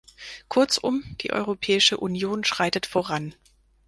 Kurzum, die Europäische Union schreitet voran.